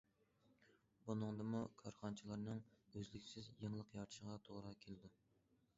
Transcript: بۇنىڭدىمۇ كارخانىچىلارنىڭ ئۈزلۈكسىز يېڭىلىق يارىتىشىغا توغرا كېلىدۇ.